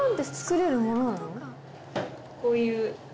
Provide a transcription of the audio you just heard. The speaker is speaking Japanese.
こういう。